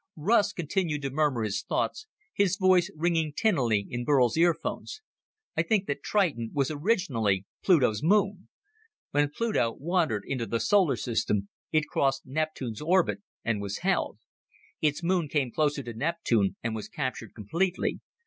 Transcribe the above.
Russ continued to murmur his thoughts, his voice ringing tinnily in Burl's earphones. "I think that Triton was originally Pluto's moon. When Pluto wandered into the solar system, it crossed Neptune's orbit and was held. Its moon came closer to Neptune and was captured completely.